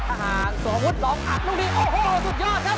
อาหารสวมพุทธหลอมอักลุ้งดีโอ้โหสุดยอดครับ